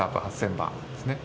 ８０００番ですね。